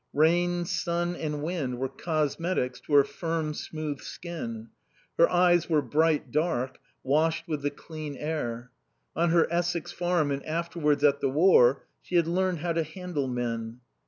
Rain, sun and wind were cosmetics to her firm, smooth skin. Her eyes were bright dark, washed with the clean air. On her Essex farm and afterwards at the War she had learned how to handle men.